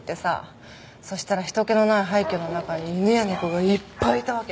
そしたら人けのない廃虚の中に犬や猫がいっぱいいたわけ。